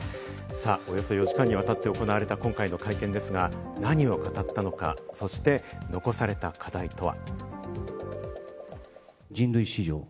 およそ４時間にわたって行われた今回の会見ですが、何を語ったのか、そして残された課題とは？